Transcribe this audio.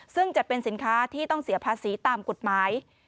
ซึ่งจะเป็นสินค้าที่ต้องเสียภาษีตามกฎหมาย